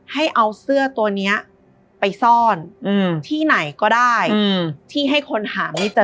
ให้เอาเสื้อตัวนี้ไปซ่อนที่ไหนก็ได้ที่ให้คนหาไม่เจอ